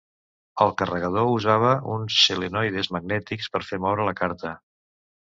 El carregador usava uns solenoides magnètics per fer moure la carta.